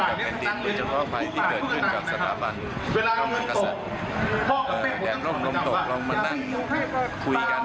ว่าภัทริรูปมันไม่เท่ากับการโดนรักษาบรรคสมัยนะครับ